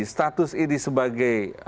status ini sebagai